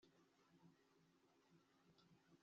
na yo ishobora gufata icyemezo cyo gushyiraho